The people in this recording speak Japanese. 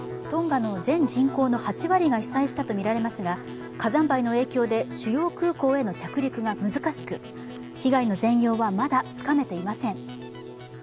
トンガの全人口の８割が被災したとみられますが火山灰の影響で主要空港への着陸が難しく、被害の全容はまだつかめていません。